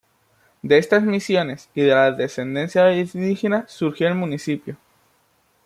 De estas misiones y de la descendencia de los indígenas surgió el municipio.